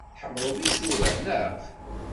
Tḥemmleḍ isura, naɣ?